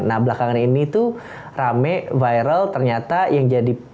nah belakangan ini tuh rame viral ternyata yang jadi